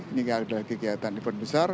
ini adalah kegiatan yang berbesar